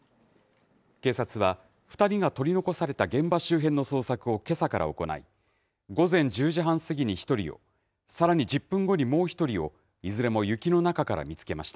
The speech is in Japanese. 警察は、２人が取り残された現場周辺の捜索をけさから行い、午前１０時半過ぎに１人を、さらに１０分後にもう１人を、いずれも雪の中から見つけました。